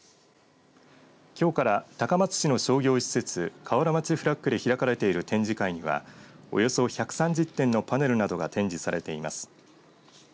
きょうから高松市の商業施設瓦町フラッグで開かれている展示会にはおよそ１３０点のパネルなどが展示されています。